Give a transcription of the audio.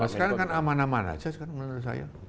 nah sekarang kan aman aman aja menurut saya